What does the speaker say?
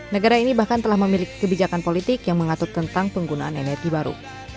negara ini bahkan telah memiliki kebijakan politik yang mengatur tentang penggunaan energi baru